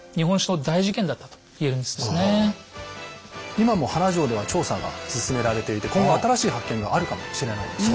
今も原城では調査が進められていて今後新しい発見があるかもしれないですね。